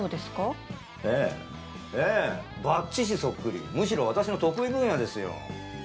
バッチシそっくり、むしろ私の得意分野ですよ。